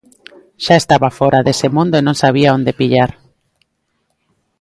Xa estaba fóra dese mundo e non sabía onde pillar.